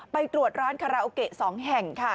ไปตรวจร้านคาราโอเกะ๒แห่งค่ะ